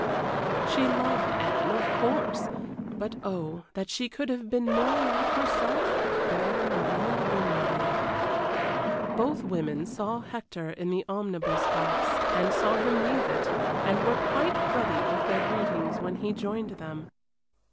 She loved Anne, of course, but oh, that she could have been more like herself or Morella Winmarleigh! Both women saw Hector in the omnibus box, and saw him leave it, and were quite ready with their greetings when he joined them.